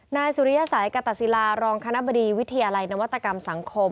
นายสุริยสัยกตศิลารองคณะบดีวิทยาลัยนวัตกรรมสังคม